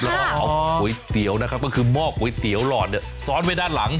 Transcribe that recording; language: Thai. แล้วก็เอาก๋วยเตี๋ยวนะครับก็คือหม้อก๋วยเตี๋ยวหลอดเนี่ยซ้อนไว้ด้านหลัง